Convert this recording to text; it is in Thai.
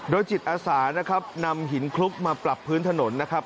จิตอาสานะครับนำหินคลุกมาปรับพื้นถนนนะครับ